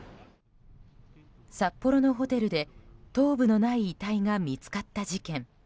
札幌のホテルで、頭部のない遺体が見つかった事件。